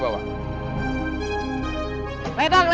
bapak bisa mencoba